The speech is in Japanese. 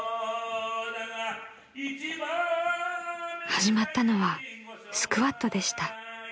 ・［始まったのはスクワットでした］